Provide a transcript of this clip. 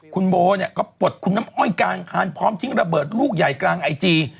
คุณโบเนี่ยก็ปลดคุณน้ำอ้อยกลางคันพร้อมทิ้งระเบิดลูกใหญ่กลางไอจี